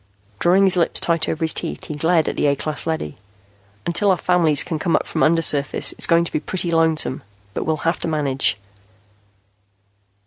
Drawing his lips tight over his teeth, he glared at the A class leady. "Until our families can come up from undersurface, it's going to be pretty lonesome, but we'll have to manage."